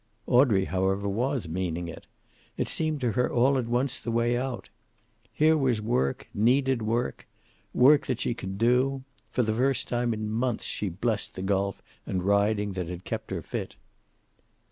Audrey, however, was meaning it. It seemed to her, all at once, the way out. Here was work, needed work. Work that she could do. For the first time in months she blessed the golf and riding that had kept her fit.